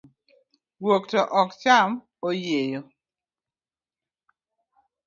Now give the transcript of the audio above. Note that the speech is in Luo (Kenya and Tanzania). Guok to ok cham oyieyo.